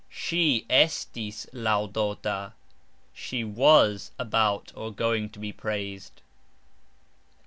Sxi estis lauxdota .......... She was about (going) to be praised.